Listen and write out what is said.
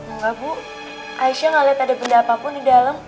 engga bu aisyah ngeliat ada benda apapun di dalem